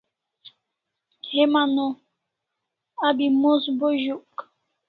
Heman o abi mos bo zuk